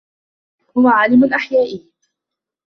هو عالم أحيائي.